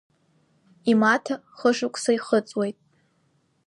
Имаҭа хышықәса ихыҵуеит.